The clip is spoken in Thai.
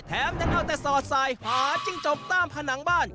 ยังเอาแต่สอดสายหาจิ้งจกตามผนังบ้าน